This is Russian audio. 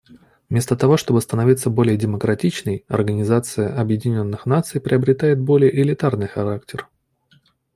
Вместо того чтобы становиться более демократичной, Организация Объединенных Наций приобретает более элитарный характер.